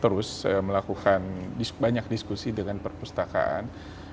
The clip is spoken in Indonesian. terus melakukan banyak diskusi dengan perpustakaan